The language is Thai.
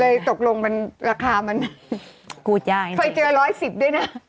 เลยตกลงมันราคามันค่อยเจอ๑๑๐ด้วยนะ